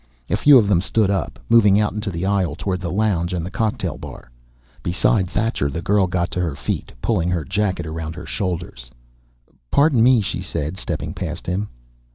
A few of them stood up, moving out into the aisle, toward the lounge and the cocktail bar. Beside Thacher the girl got to her feet, pulling her jacket around her shoulders. "Pardon me," she said, stepping past him.